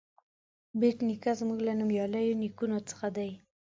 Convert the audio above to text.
بېټ نیکه زموږ له نومیالیو نیکونو څخه دی.